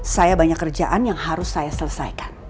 saya banyak kerjaan yang harus saya selesaikan